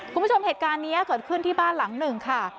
คุณผู้ชมเหตุการณ์นี้เกิดขึ้นที่บ้านหลังหนึ่งค่ะ